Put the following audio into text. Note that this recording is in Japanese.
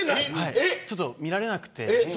ちょっと見られなくて。